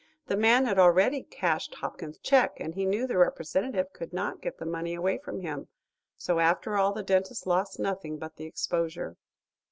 The man had already cashed Hopkins's check, and he knew the Representative could not get the money away from him, so after all the dentist lost nothing by the exposure.